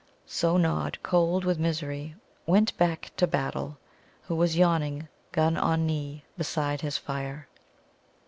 So Nod, cold with misery, went back to Battle, who sat yawning, gun on knee, beside his fire.